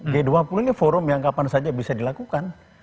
g dua puluh ini forum yang kapan saja bisa dilakukan